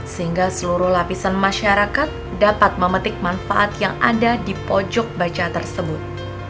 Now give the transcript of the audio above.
sehingga seluruh lapisan masyarakat dapat memetik manfaat yang ada di pojok baca tersebut